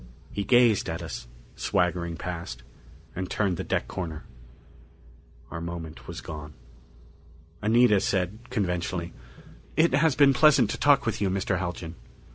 He gazed at us, swaggering past, and turned the deck corner. Our moment was gone. Anita said conventionally, "It has been pleasant to talk with you, Mr. Haljan."